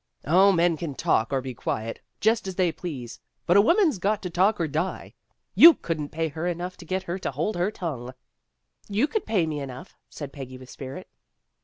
"0, men can talk or be quiet, just as they 110 PEGGY RAYMOND'S WAY please, but a woman's got to talk or die. You couldn't pay her enough to get her to hold her tongue." "You could pay me enough," said Peggy with spirit.